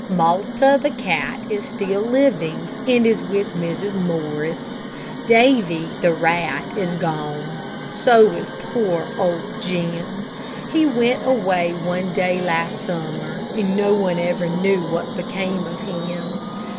Malta, the cat, is still living, and is with Mrs. Morris. Davy, the rat, is gone, so is poor old Jim. He went away one day last summer, and no one ever knew what became of him.